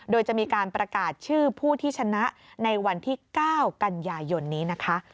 โดยจะมีการประกาศชื่อผู้ที่ชนะในวันที่๙กันยายนนี้นะคะ